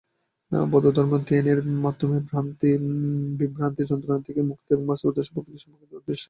বৌদ্ধধর্ম ধ্যানের মাধ্যমে বিভ্রান্তি এবং যন্ত্রণা থেকে মুক্তি এবং বাস্তবতার প্রকৃতি সম্পর্কে অন্তর্দৃষ্টি লাভ করে।